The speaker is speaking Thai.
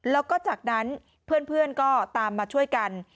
แล้วก็จากนั้นเพื่อนก็ตามมาช่วยกัน